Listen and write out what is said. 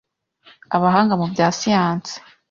Abahanga mu bya siyansi